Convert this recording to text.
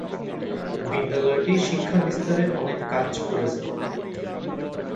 বিদ্যালয়টি শিক্ষা বিস্তারে অনেক কাজ করেছে।